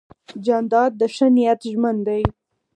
جانداد د ښه نیت ژمن دی.